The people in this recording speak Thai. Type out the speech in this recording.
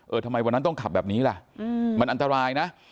ทำไมวันนั้นต้องขับแบบนี้ล่ะมันอันตรายนะ